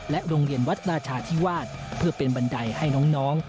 โรงเรียนวัดราชาธิวาสเพื่อเป็นบันไดให้น้อง